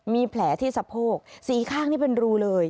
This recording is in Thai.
มีแผลที่สะโพกสีข้างนี่เป็นรูเลย